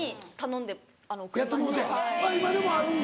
今でもあるんだ。